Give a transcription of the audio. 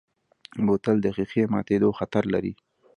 بوتل د ښیښې ماتیدو خطر لري.